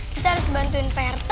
kita harus bantuin prt bela sama apa